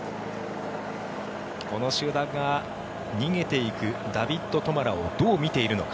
この集団が逃げていくダビッド・トマラをどう見ているのか。